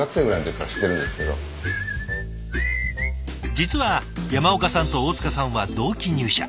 実は山岡さんと大塚さんは同期入社。